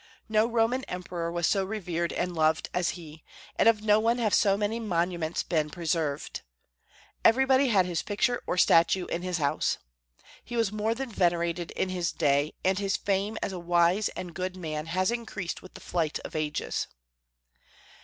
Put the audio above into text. No Roman emperor was so revered and loved as he, and of no one have so many monuments been preserved. Everybody had his picture or statue in his house. He was more than venerated in his day, and his fame as a wise and good man has increased with the flight of ages.